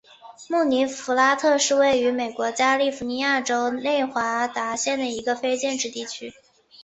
穆尼弗拉特是位于美国加利福尼亚州内华达县的一个非建制地区。